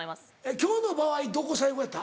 今日の場合どこ最高やった？